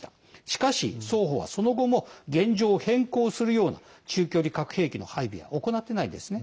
しかし双方は、その後も現状を変更するような中距離核兵器の配備は行っていないんですね。